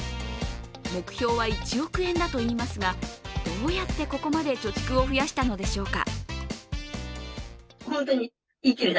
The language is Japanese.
目標は１億円だといいますが、どうやってここまで貯蓄を増やしたのでしょうか。